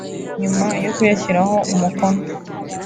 nyuma yo kuyashyiraho umukono